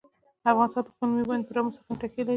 افغانستان په خپلو مېوو باندې پوره او مستقیمه تکیه لري.